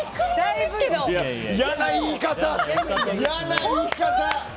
嫌な言い方！